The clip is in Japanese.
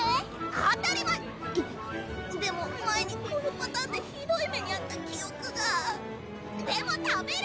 当たり前っいやでも前にこのパターンでひどい目に遭った記憶がでも食べる！